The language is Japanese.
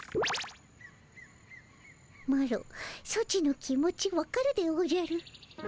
マロソチの気持ちわかるでおじゃる。